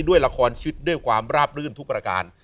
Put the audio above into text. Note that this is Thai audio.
ด้วยละครชีวิตด้วยความราบรื่นทุกประการ